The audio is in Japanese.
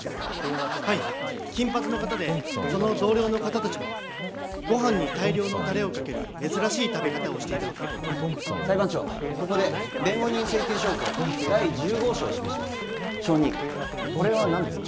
はい金髪の方でその同僚の方達もご飯に大量のタレをかける珍しい食べ方をしていたので裁判長ここで弁護人請求証拠第十号証を示します証人これは何ですか？